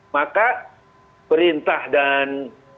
maka perintah dan